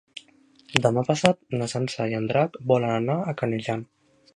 Demà passat na Sança i en Drac volen anar a Canejan.